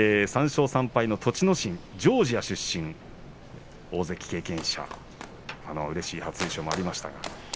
栃ノ心、ジョージア出身大関経験者うれしい初優勝もありました。